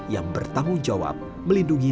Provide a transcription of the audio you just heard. yang bertanggung jawab melindungi